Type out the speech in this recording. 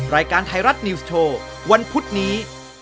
รายการไทยรัฐนิวส์โชว์วันพุธนี้